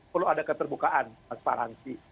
perlu ada keterbukaan transparansi